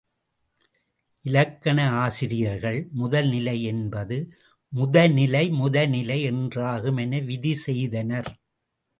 இலக்கண ஆசிரியர்கள், முதல் நிலை என்பது முத நிலை முதனிலை என்றாகும் என விதி செய்தனர்.